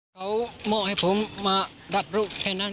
โทรศัพท์มาบอกเรา